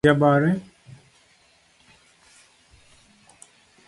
gima ogen jabare